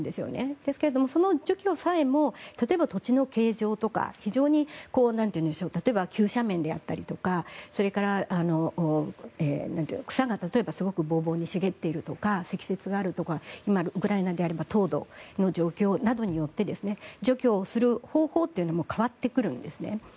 ですが、その除去さえも例えば土地の形状とか非常に急斜面であったりとかそれから草が例えばすごくボーボーに茂っているとか積雪があるとか今、ウクライナであれば凍土の状況などによって除去をする方法というもの変わってくるんですね。